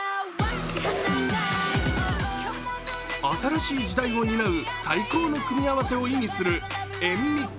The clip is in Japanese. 新しい時代を担う、最高の組み合わせを意味するＮＭＩＸＸ。